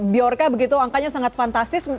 biarkah begitu angkanya sangat fantastis